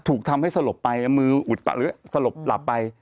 ถูกทำให้สลบไปมืออุดหรือสลบหลับไป